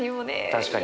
確かに。